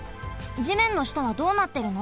じめんのしたはどうなってるの？